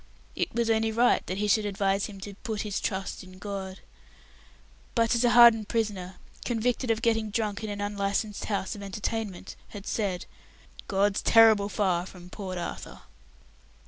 It was only right that he should advise him to "put his trust in God". But as a hardened prisoner, convicted of getting drunk in an unlicensed house of entertainment, had said, "God's terrible far from Port Arthur."